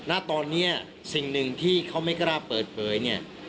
ณตอนนี้สิ่งหนึ่งที่เขาไม่กล้าเปิดเผยเนี่ย